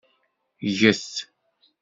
Gget.